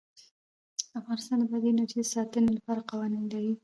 افغانستان د بادي انرژي د ساتنې لپاره قوانین لري.